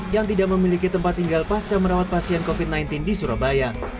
yang tidak memiliki tempat tinggal pasca merawat pasien covid sembilan belas di surabaya